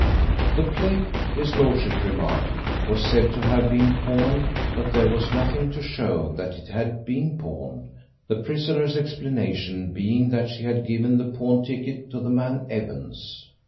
The plate, his Lordship remarked, was said to have been pawned, but there was nothing to show that it had been pawned, the prisoner's explanation being that she had given the pawn ticket to the man Evans.